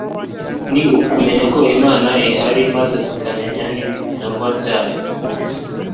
ni ukumenya ko Imana ihari maze tukamenya n'ibikorwa byayo.